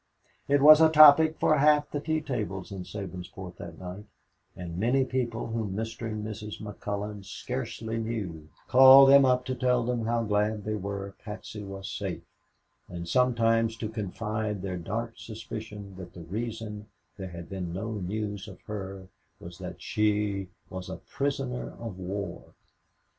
It was a topic for half the tea tables in Sabinsport that night, and many people whom Mr. and Mrs. McCullon scarcely knew called them up to tell them how glad they were Patsy was safe and sometimes to confide their dark suspicion that the reason there had been no news of her was that she was a prisoner of war!